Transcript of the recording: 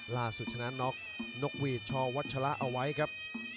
ล่าสุดชนะน็อคนกวิทชอวัชละเอาไว้ครับ